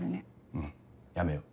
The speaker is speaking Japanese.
うんやめよう。